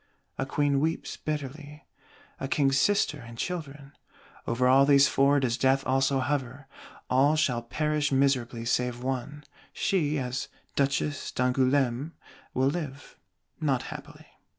A Queen weeps bitterly; a King's Sister and Children. Over all these Four does Death also hover: all shall perish miserably save one; she, as Duchesse d'Angoulême, will live, not happily.